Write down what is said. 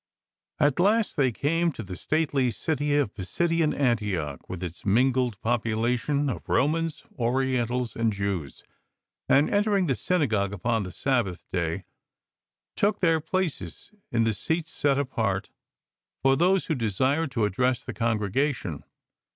At last they came to the stately city of Pisidian Antioch, with its mingled population of Romans, Orientals, and Jews; and entering the synagogue upon the Sabbath day, took their places in the seats set apart for those one wiio I 40 LIFE OF ST. PAUL who desired to address the congregation.